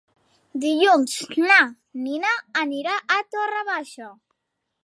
Dilluns na Nina anirà a Torre Baixa.